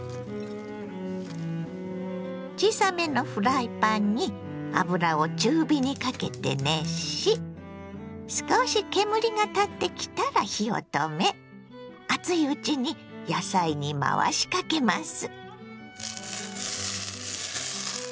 小さめのフライパンに油を中火にかけて熱し少し煙が立ってきたら火を止め熱いうちに野菜に回しかけます。